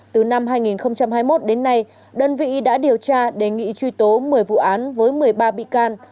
từ năm hai nghìn hai mươi một đến nay đơn vị đã điều tra đề nghị truy tố một mươi vụ án với một mươi ba bị can